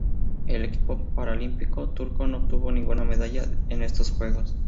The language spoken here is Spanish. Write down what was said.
El equipo paralímpico turco no obtuvo ninguna medalla en estos Juegos.